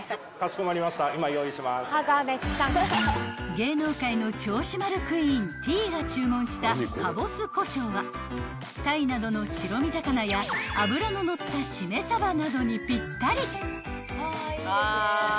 ［芸能界の銚子丸クイーンＴが注文したかぼす胡椒は鯛などの白身魚や脂の乗った締めさばなどにぴったり］